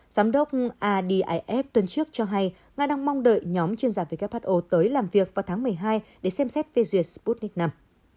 giám đốc adif tuần trước cho hay nga đang mong đợi nhóm chuyên gia who tới làm việc vào tháng một mươi hai để xem xét phê duyệt sputnik v